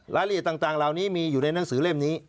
รายละเอียดต่างเหล่านี้มีอยู่ในหนังสือเล่มนี้